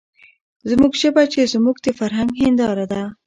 زموږ ژبه چې زموږ د فرهنګ هېنداره ده،